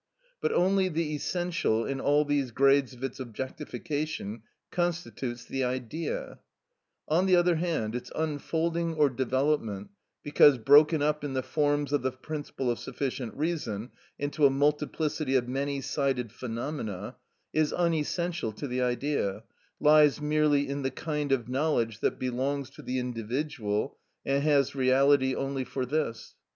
But only the essential in all these grades of its objectification constitutes the Idea; on the other hand, its unfolding or development, because broken up in the forms of the principle of sufficient reason into a multiplicity of many sided phenomena, is unessential to the Idea, lies merely in the kind of knowledge that belongs to the individual and has reality only for this.